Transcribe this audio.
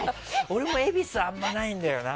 俺も恵比寿はあんまないんだよな。